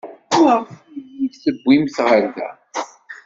Maɣef ay iyi-d-tewwimt ɣer da?